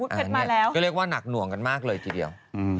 อันนี้ก็เรียกว่าหนักหน่วงกันมากเลยทีเดียว